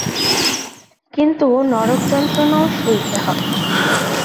কিন্তু নরকযন্ত্রণাও সইতে হয়।